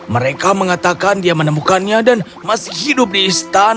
mereka mengatakan dia menemukannya dan masih hidup di istana merah muda di dasar laut